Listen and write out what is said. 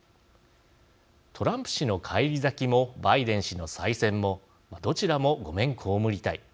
トランプ氏の返り咲きもバイデン氏の再選もどちらも御免被りたい。